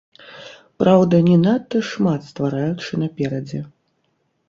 Праўда, не надта шмат ствараючы наперадзе.